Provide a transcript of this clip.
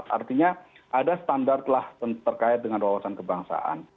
artinya ada standar lah terkait dengan wawasan kebangsaan